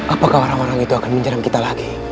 apakah warang warang itu akan menyerang kita lagi